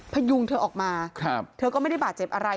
พยุงเธอออกมาเธอก็ไม่ได้บาดเจ็บอะไร